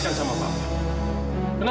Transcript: apa yang kamu lakukan sama mama